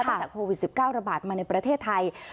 ตั้งแต่โควิด๑๙ระบาดมาในประเทศไทย